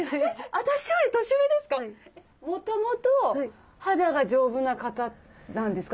私より年上ですか？